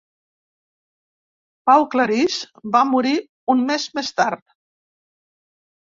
Pau Claris va morir un mes més tard.